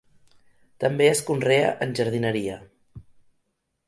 També es conrea en jardineria.